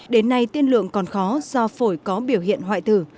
đến nay tiên lượng còn khó do phổi có biểu hiện hoại tử